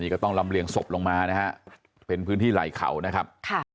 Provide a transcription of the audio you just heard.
ก็ต้องลำเลียงศพลงมานะฮะเป็นพื้นที่ไหล่เขานะครับ